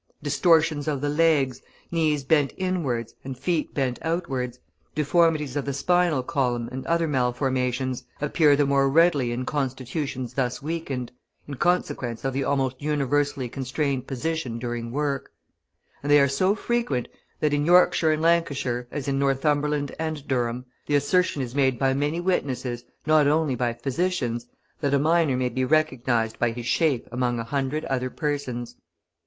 Distortions of the legs, knees bent inwards and feet bent outwards, deformities of the spinal column and other malformations, appear the more readily in constitutions thus weakened, in consequence of the almost universally constrained position during work; and they are so frequent that in Yorkshire and Lancashire, as in Northumberland and Durham, the assertion is made by many witnesses, not only by physicians, that a miner may be recognised by his shape among a hundred other persons.